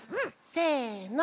せの。